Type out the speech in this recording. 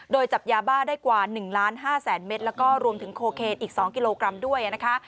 โดยจับยาบ้าได้กว่า๑ล้าน๕แสนเมตรแล้วก็รวมถึงโคเคนอีก๒กิโลกรัมด้วยนะคะ